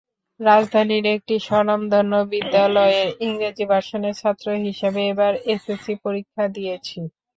রাজধানীর একটি স্বনামধন্য বিদ্যালয়ের ইংরেজি ভার্সনের ছাত্র হিসেবে এবার এসএসসি পরীক্ষা দিয়েছি।